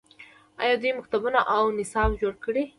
آیا دوی مکتبونه او نصاب نه جوړوي؟